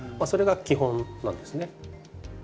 それが基本なんですね。